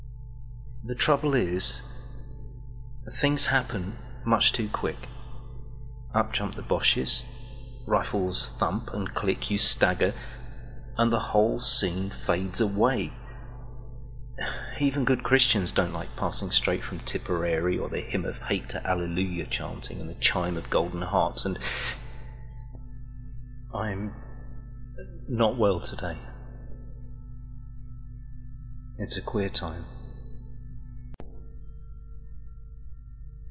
The trouble is, things happen much too quick; Up jump the Boches, rifles thump and click, You stagger, and the whole scene fades away:Even good Christians don't like passing straightFrom Tipperary or their Hymn of HateTo Alleluiah chanting, and the chimeOf golden harps … and … I'm not well to day…It's a queer time.